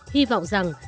hy vọng rằng